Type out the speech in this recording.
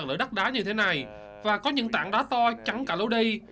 tình trạng sạt lở đắt đá như thế này và có những tảng đá to chắn cả lâu đây